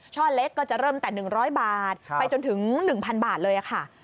เล็กก็จะเริ่มแต่๑๐๐บาทไปจนถึง๑๐๐บาทเลยค่ะ